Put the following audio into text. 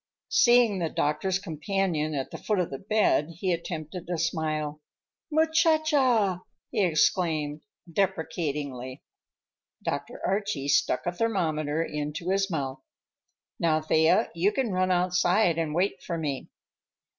_" Seeing the doctor's companion at the foot of the bed, he attempted a smile. "Muchacha!" he exclaimed deprecatingly. Dr. Archie stuck a thermometer into his mouth. "Now, Thea, you can run outside and wait for me."